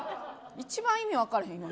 一番、意味分からへん。